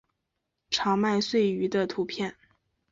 长麦穗鱼的图片